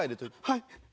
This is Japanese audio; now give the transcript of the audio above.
はい。